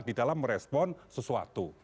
di dalam merespon sesuatu